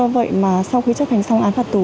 vậy mà sau khi chấp hành xong án phạt tù